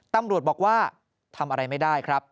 ตำรวจบอกว่าทำอะไรไม่ได้ครับ